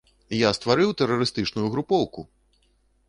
Я стварыў тэрарыстычную групоўку!